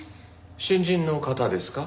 新人の方ですか？